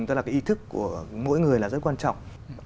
tức là cái ý thức của mỗi người là rất quan trọng